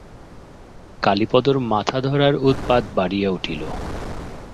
কালীপদর মাথাধরার উৎপাত বাড়িয়া উঠিল।